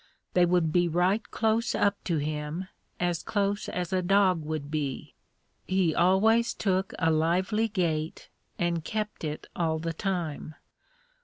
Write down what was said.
They would be right close up to him, as close as a dog would be. He always took a lively gait and kept it all the time.